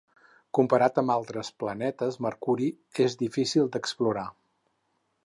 Comparat amb altres planetes, Mercuri és difícil d'explorar.